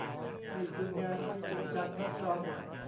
นี่คืองานที่จริงจังนะจอร์จ